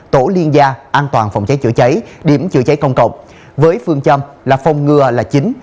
tổ liên gia an toàn phòng cháy chữa cháy điểm chữa cháy công cộng với phương châm là phòng ngừa là chính